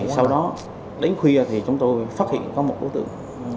sau đó đến khuya thì chúng tôi phát hiện có một đối tượng